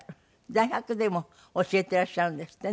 大学でも教えていらっしゃるんですってね。